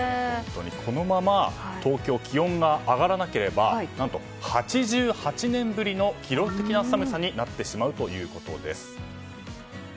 このまま東京気温が上がらなければ何と８８年ぶりの記録的な寒さになるということです。